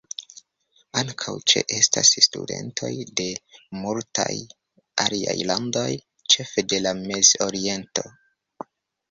Ankaŭ ĉe-estas studentoj de multaj aliaj landoj, ĉefe de la Mez-Oriento.